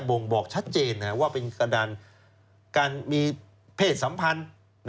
่งบอกชัดเจนว่าเป็นการมีเพศสัมพันธ์